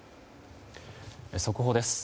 速報です。